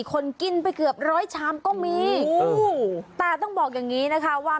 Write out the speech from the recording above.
คนกินไปเกือบร้อยชามก็มีแต่ต้องบอกอย่างงี้นะคะว่า